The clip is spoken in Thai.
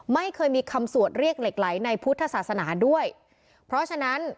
ไม่เคยมีคำสวดเรียกเหล็กไหลในพุทธศาสนาด้วยเพราะฉะนั้น